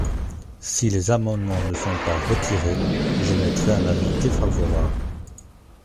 Si les amendements ne sont pas retirés, j’émettrai un avis défavorable.